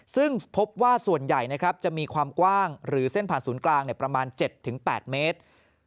ซึ่งพบว่าส่วนใหญ่จะมีความกว้างหรือเส้นผ่านศูนย์กลางประมาณ๗๘เมตร